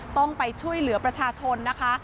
ต้องไปช่วยเหลือประชาชนนะคะ